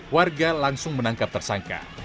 warga langsung menangkap tersangka